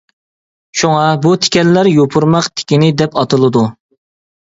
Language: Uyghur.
شۇڭا، بۇ تىكەنلەر «يوپۇرماق تىكىنى» دەپ ئاتىلىدۇ.